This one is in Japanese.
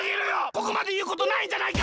ここまでいうことないじゃないか！